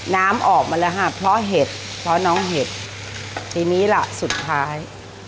น้ำออกมาแล้วค่ะเพราะเห็ดเพราะน้องเห็ดทีนี้ล่ะสุดท้าย